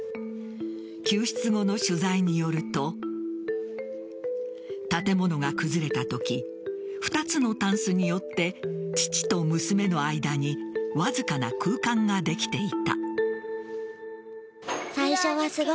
救出後の取材によると建物が崩れたとき２つのたんすによって父と娘の間にわずかな空間ができていた。